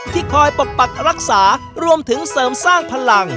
คอยปกปักรักษารวมถึงเสริมสร้างพลัง